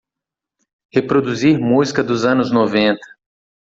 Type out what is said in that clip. Reproduzir música dos anos noventa.